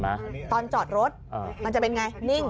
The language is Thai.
เมื่อเวลาจอดรถมันจะเป็นถึงไง